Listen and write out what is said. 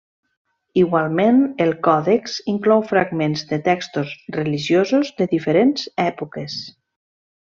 Igualment, el còdex inclou fragments de textos religiosos de diferents èpoques.